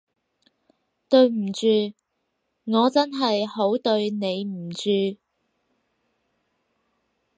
對唔住，我真係好對你唔住